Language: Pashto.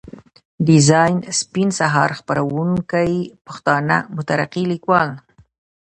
ډيزاين سپين سهار، خپروونکی پښتانه مترقي ليکوال.